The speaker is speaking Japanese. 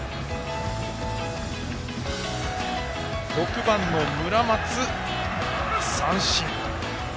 ６番の村松、三振。